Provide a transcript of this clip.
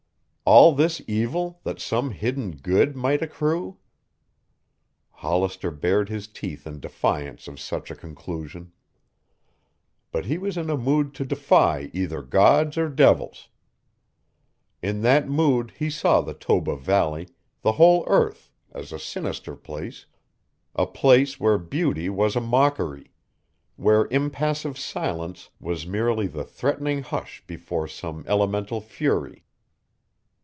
All this evil that some hidden good might accrue? Hollister bared his teeth in defiance of such a conclusion. But he was in a mood to defy either gods or devils. In that mood he saw the Toba valley, the whole earth, as a sinister place, a place where beauty was a mockery, where impassive silence was merely the threatening hush before some elemental fury.